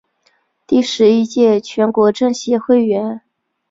第十一届全国政协委员。